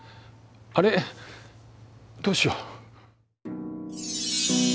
あれどうしよう。